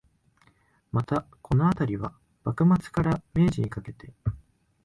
また、このあたりは、幕末から明治にかけて